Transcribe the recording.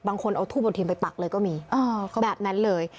บางคนเอาทูบบนทิมไปปักเลยก็มีแบบนั้นเลย